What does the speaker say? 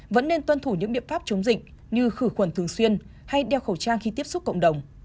vẫn nên tuân thủ những biện pháp chống dịch như khử khuẩn thường xuyên hay đeo khẩu trang khi tiếp xúc cộng đồng